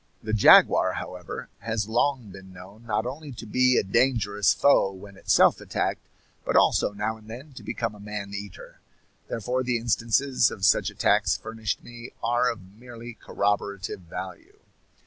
The jaguar, however, has long been known not only to be a dangerous foe when itself attacked, but also now and then to become a man eater. Therefore the instances of such attacks furnished me are of merely corroborative value.